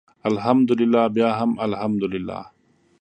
الحمدلله بیا هم الحمدلله.